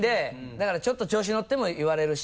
だからちょっと調子乗っても言われるし。